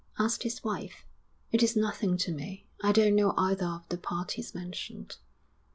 asked his wife. 'It is nothing to me. I don't know either of the parties mentioned.'